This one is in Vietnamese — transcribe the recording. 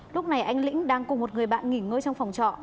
lúc này anh lĩnh đang cùng một người bạn nghỉ ngơi trong phòng trọ